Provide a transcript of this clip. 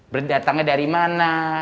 berdatangnya dari mana